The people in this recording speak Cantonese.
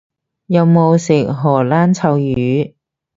有冇食荷蘭臭魚？